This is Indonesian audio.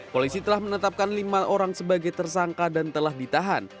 polisi telah menetapkan lima orang sebagai tersangka dan telah ditahan